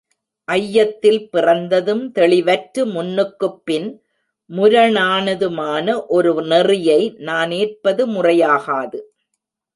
ஐயத்தில் பிறந்ததும் தெளிவற்று முன்னுக்குப் பின் முரணானதுமான ஒரு நெறியை நான் ஏற்பது முறையாகாது.